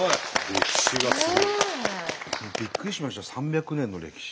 歴史がすごい。びっくりしました３００年の歴史。